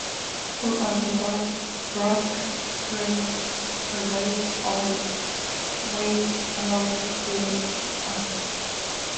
Coal and a black granite are mined around Belfast.